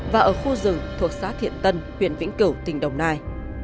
và ở khu rừng thuộc xã thiện tân huyện vĩnh cửu tỉnh đồng nai